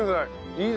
いい。